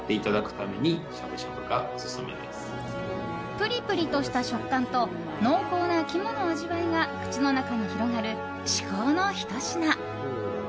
プリプリとした食感と濃厚な肝の味わいが口の中に広がる、至高のひと品。